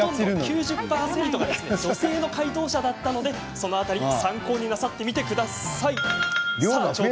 ９０％が女性の回答者だったのでその辺りを参考になさってみてください。